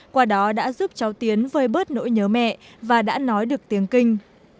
qua đó đã giúp cháu tiến vơi bớt nỗi nhớ mẹ và đã nói được tiếng kinh